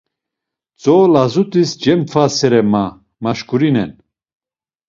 Tzo lazut̆is cemtvasere ma maşkurinen.